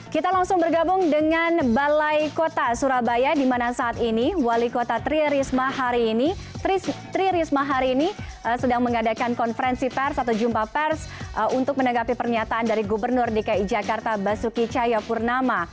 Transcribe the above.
kita langsung bergabung dengan balai kota surabaya di mana saat ini wali kota tri risma hari ini tri risma hari ini sedang mengadakan konferensi pers atau jumpa pers untuk menanggapi pernyataan dari gubernur dki jakarta basuki cahayapurnama